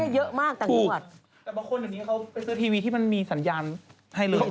แต่บางคนเดี๋ยวนี้เขาไปซื้อทีวีที่มันมีสัญญาณให้เลย